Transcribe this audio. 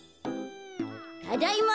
ただいま。